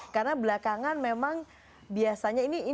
karena belakangan memang biasanya